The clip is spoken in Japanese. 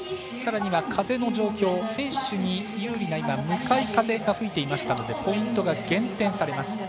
さらには風の状況選手に有利な向かい風が吹いていましたのでポイントが減点されます。